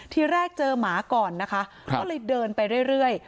ทีแรกเจอหมาก่อนนะคะก็เลยเดินไปเรื่อย